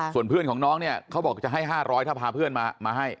ส่วนเพื่อนของน้องเนี่ยเขาบอกจะให้๕๐๐ถ้าพาเพื่อนมาให้